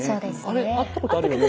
「あれ会ったことあるよね？